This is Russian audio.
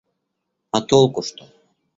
А толку что?